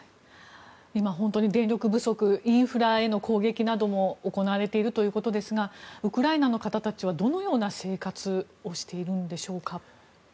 今、電力不足インフラへの攻撃なども行われているということですがウクライナの方たちはどのような生活をしているんでしょうか。